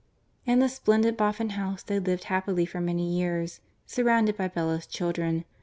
In the splendid Boffin house they lived happily for many years, surrounded by Bella's children.